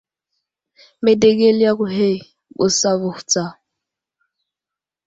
Medegel yakw ghe ɓəs avohw tsa.